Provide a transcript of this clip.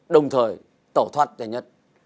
đồng thời tẩu thoát nhanh nhất